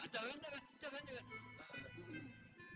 jangan jangan jangan